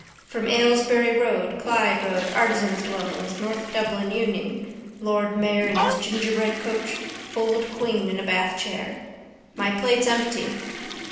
From Ailesbury road, Clyde road, artisans' dwellings, north Dublin union, lord mayor in his gingerbread coach, old queen in a bathchair. My plate's empty.